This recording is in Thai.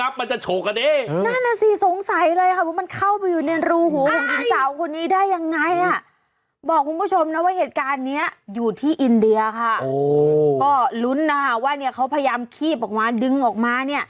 ก็ลุ้นนะคะว่าเนี่ยเขาพยายามขี้บอกว่า